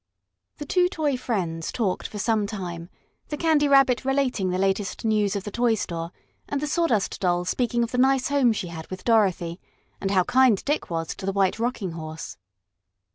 The two toy friends talked for some time, the Candy Rabbit relating the latest news of the toy store, and the Sawdust Doll speaking of the nice home she had with Dorothy, and how kind Dick was to the White Rocking Horse.